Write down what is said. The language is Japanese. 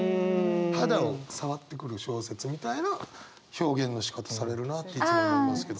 肌を触ってくる小説みたいな表現のしかたされるなっていつも思いますけど。